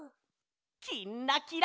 「きんらきら」。